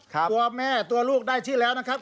ตัวแม่ตัวลูกได้ชื่อแล้วนะครับ